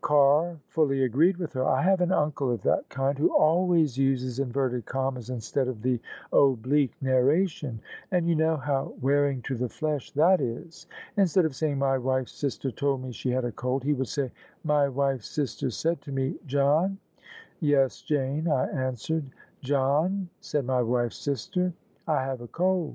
Carr fully agreed with her. " I have an uncle of that kind, who always uses inverted commas instead of the oblique narration; and, you know how wearing to the flesh that is ! Instead of saying, ' My wife's sister told me she had a cold,* he would say ' My wife's sister said to me, John; Yes, Jane, I answered; John, said my wife's sister, I have a cold.'